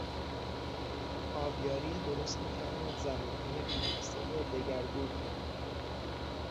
آبیاری درست میتواند زمینهای بی حاصل را دگرگون کند.